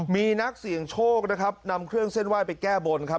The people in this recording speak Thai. มีนักเสี่ยงโชคนะครับนำเครื่องเส้นไหว้ไปแก้บนครับ